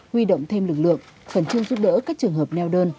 huy động thêm lực lượng phần chương giúp đỡ các trường hợp neo đơn